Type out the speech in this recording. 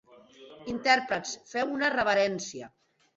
Intèrprets, feu una reverència!